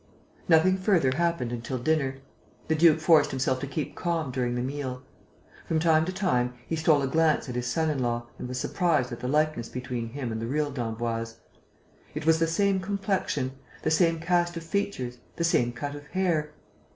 Nothing further happened until dinner. The duke forced himself to keep calm during the meal. From time to time, he stole a glance at his son in law and was surprised at the likeness between him and the real d'Emboise. It was the same complexion, the same cast of features, the same cut of hair.